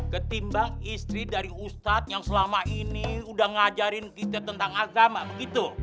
ketimbang istri dari ustadz yang selama ini udah ngajarin kita tentang agama begitu